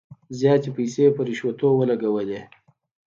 زیاتي پیسې په رشوتونو ولګولې.